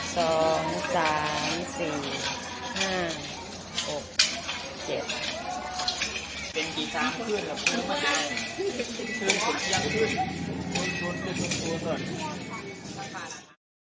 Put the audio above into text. สองสามสี่ห้าหกเจ็บเป็นกี่สาม